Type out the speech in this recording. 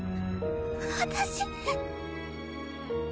私。